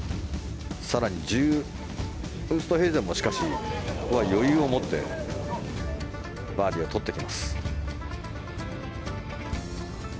更にウーストヘイゼンも、しかしここは余裕を持ってバーディーを取ってきます。